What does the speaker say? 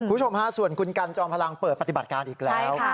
คุณผู้ชมฮะส่วนคุณกันจอมพลังเปิดปฏิบัติการอีกแล้ว